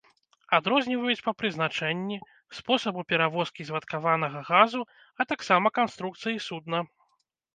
Адрозніваюць па прызначэнні, спосабу перавозкі звадкаванага газу, а таксама канструкцыі судна.